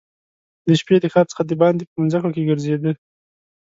د شپې د ښار څخه دباندي په مځکو کې ګرځېد.